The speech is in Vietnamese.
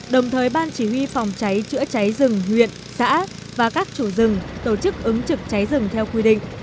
đồng thời ban chỉ huy phòng cháy chữa cháy rừng huyện xã và các chủ rừng tổ chức ứng trực cháy rừng theo quy định